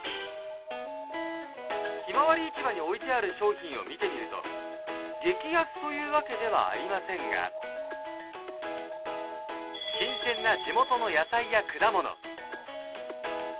ひまわり市場に置いてある商品を見てみると激安というわけではありませんが新鮮な地元の野菜や果物。